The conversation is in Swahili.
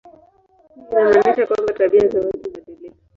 Hii inamaanisha kwamba tabia za watu hubadilika.